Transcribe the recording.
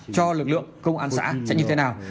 cho lực lượng công an xã sẽ như thế nào